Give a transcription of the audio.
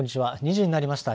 ２時になりました。